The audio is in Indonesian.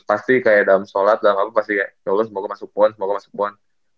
pasti kayak dalam sholat dalam apa pasti kayak ya allah semoga masuk pon semoga masuk pon